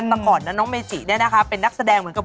ต้องบอกว่าถูกฟิตแอนด์เฟิร์มทั้งร่างเลยเนอะ